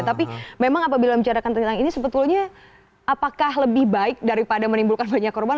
tapi memang apabila membicarakan tentang ini sebetulnya apakah lebih baik daripada menimbulkan banyak korban